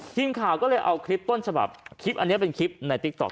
ทีมข่าวก็เลยเอาคลิปต้นฉบับคลิปอันนี้เป็นคลิปในติ๊กต๊อ